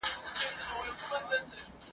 دا دمست پښتون ولس دی ..